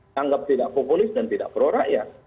dianggap tidak populis dan tidak prorakyat